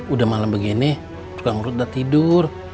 udah malam begini tukang urut udah tidur